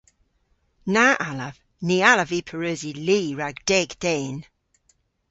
Na allav. Ny allav vy pareusi li rag deg den.